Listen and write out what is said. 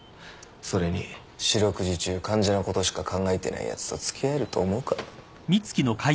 それに四六時中患者のことしか考えてないやつと付き合えると思うか？